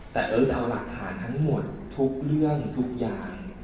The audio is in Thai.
แต่เอิร์ทเอาหลักฐานทั้งหมดทุกเรื่องทุกอย่าง